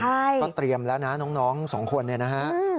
ก็เตรียมแล้วนะน้องสองคนนะครับ